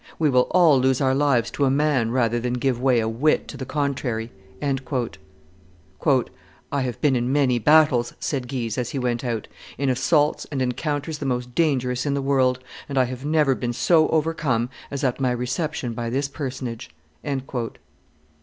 We will all lose our lives to a man rather than give way a whit to the contrary." "I have been in many battles," said Guise, as he went out, "in assaults and encounters the most dangerous in the world; and I have never been so overcome as at my reception by this personage."